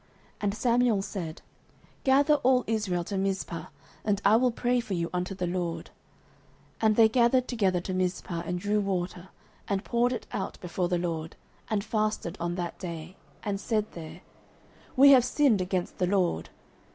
09:007:005 And Samuel said, Gather all Israel to Mizpeh, and I will pray for you unto the LORD. 09:007:006 And they gathered together to Mizpeh, and drew water, and poured it out before the LORD, and fasted on that day, and said there, We have sinned against the LORD.